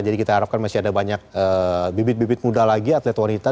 jadi kita harapkan masih ada banyak bibit bibit muda lagi atlet wanita